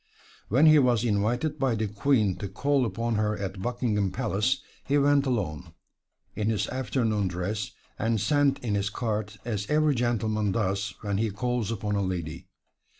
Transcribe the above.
When he was invited by the Queen to call upon her at Buckingham Palace, he went alone, in his afternoon dress, and sent in his card as every gentleman does when he calls upon a lady.